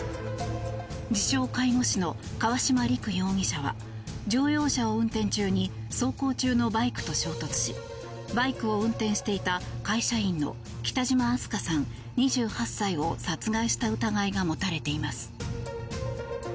自称介護士の川島陸容疑者は乗用車を運転中に走行中のバイクと衝突しバイクを運転していた会社員の北島明日翔さん、２８歳を殺害した疑いが持たれています。